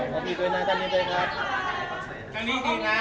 โปรดติดตามตอนต่อไป